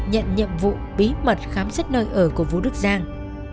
nhận nhiệm vụ bí mật khám xét nơi ở của vũ đức giang